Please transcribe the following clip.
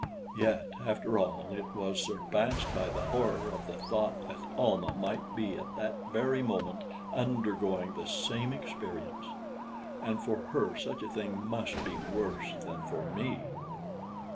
Yet, after all, it was surpassed by the horror of the thought that Almah might be at that very moment undergoing the same experience; and for her such a thing must be worse than for me.